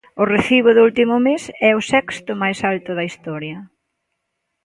O recibo do último mes é o sexto máis alto da historia.